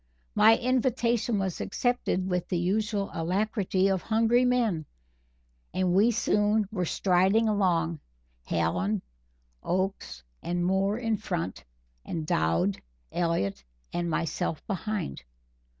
My invitation was accepted with the usual alacrity of hungry men, and we soon were striding along Hallen, Oakes and Moore in front and Dowd, Elliott and myself behind.